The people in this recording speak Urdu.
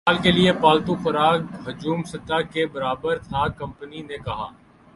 سال کے لیے پالتو خوراک حجم سطح کے برابر تھا کمپنی نے کہا